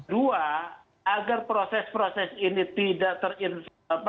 dua agar proses proses ini tidak terinfeksi